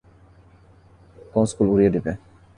কোন স্কুল উড়িয়ে দিবে?